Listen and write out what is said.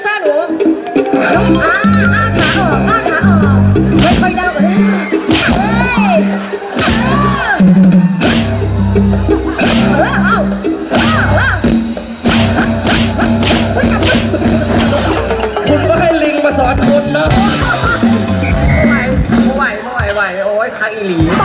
คุณให้เลี้ยงมาสอนขนาดนี้